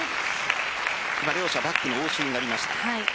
両者バックの応酬になりました。